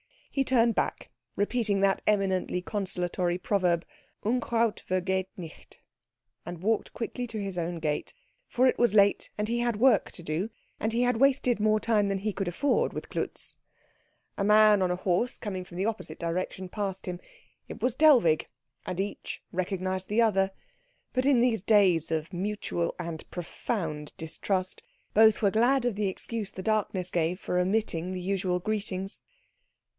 He turned back repeating that eminently consolatory proverb, Unkraut vergeht nicht, and walked quickly to his own gate; for it was late, and he had work to do, and he had wasted more time than he could afford with Klutz. A man on a horse coming from the opposite direction passed him. It was Dellwig, and each recognised the other; but in these days of mutual and profound distrust both were glad of the excuse the darkness gave for omitting the usual greetings.